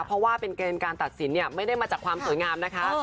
เพราะว่าเป็นเกณฑ์การตัดสินเนี่ยไม่ได้มาจากความสวยงามนะคะ